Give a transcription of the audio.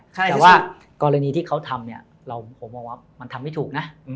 แต่ว่ากรณีที่เขาทำเนี่ยผมมองว่ามันทำไม่ถูกนะ